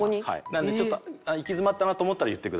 なので行き詰まったなと思ったら言ってください。